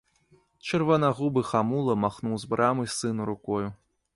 Чырванагубы хамула махнуў з брамы сыну рукою.